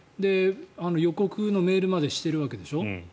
予告のメールまでしているわけでしょ？